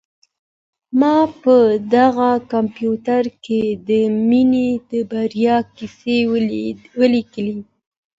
ما په دغه کمپیوټر کي د مننې د بریا کیسې ولیکلې.